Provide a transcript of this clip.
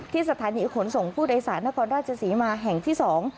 สถานีขนส่งผู้โดยสารนครราชศรีมาแห่งที่สอง